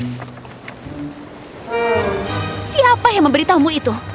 siapa yang memberitahumu itu